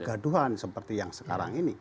gaduhan seperti yang sekarang ini